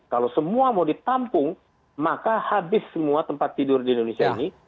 kalau semua mau ditampung maka habis semua tempat tidur di indonesia ini